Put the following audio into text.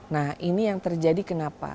nah ini yang terjadi kenapa